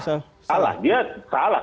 salah salah dia salah